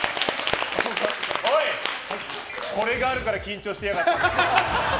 これがあるから緊張してやがったな。